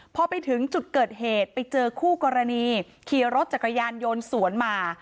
พอไปถึงจุดเกิดเหตุไปเจอคู่กรณีขี่รถจักรยานยนต์สวนมา